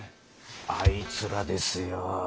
あいつらですよ。